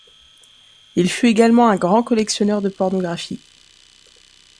Il fut également un grand collectionneur de pornographie.